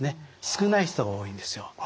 少ない人が多いんですよ。